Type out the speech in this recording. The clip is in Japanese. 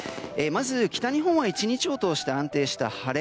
まず北日本は１日を通して安定した晴れ